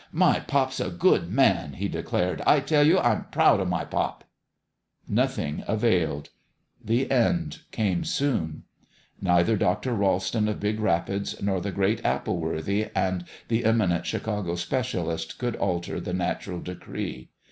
"My pop's a good man!" he de clared. " I tell you, I'm proud of my pop !" Nothing availed : the end came soon. Neither Dr. Ralston of Big Rapids nor the great Apple worthy and the eminent Chicago specialist could alter the natural decree.